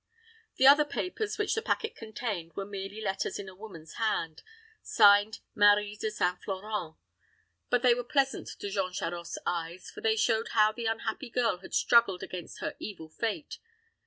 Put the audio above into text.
The other papers which the packet contained were merely letters in a woman's hand, signed Marie de St. Florent; but they were pleasant to Jean Charost's eyes, for they showed how the unhappy girl had struggled against her evil fate.